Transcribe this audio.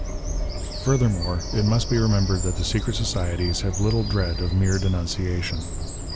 Purthermore, it must be remembered that secret societies have little dread of mere denunciation.